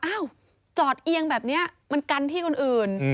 จอดเอียงแบบนี้มันกันที่คนอื่น